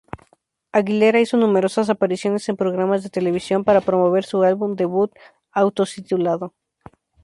Aguilera hizo numerosas apariciones en programas de televisión para promover su álbum debut auto-titulado.